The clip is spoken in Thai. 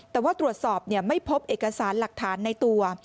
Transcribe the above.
แต่ว่าตรวจสอบไม่พบเอกสารหลักฐานในตัว